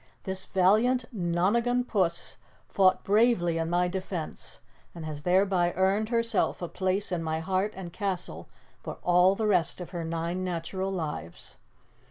"This valiant Nonagon Puss fought bravely in my defense and has thereby earned herself a place in my heart and castle for all the rest of her nine natural lives."